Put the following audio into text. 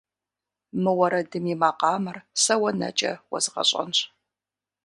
Мы уэрэдым и макъамэр сэ уэ нэкӏэ уэзгъэщӏэнщ.